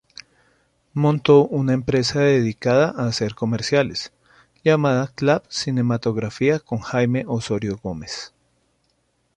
Montó una empresa dedicada a hacer comerciales, llamada Clap Cinematografía con Jaime Osorio Gómez.